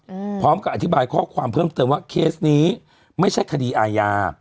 อืมพร้อมกับอธิบายข้อความเพิ่มเติมว่าเคสนี้ไม่ใช่คดีอาญา